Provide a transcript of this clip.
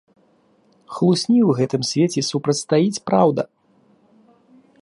Хлусні ў гэтым свеце супрацьстаіць праўда.